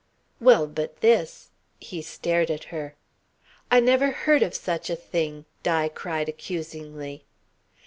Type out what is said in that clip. "Well, but this " he stared at her. "I never heard of such a thing," Di cried accusingly.